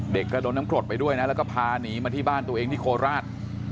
กระโดนน้ำกรดไปด้วยนะแล้วก็พาหนีมาที่บ้านตัวเองที่โคราช